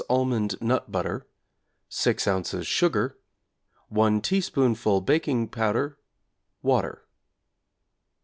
almond nut butter, 6 ozs. sugar, 1 teaspoonful baking powder, water.